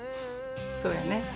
そうやね。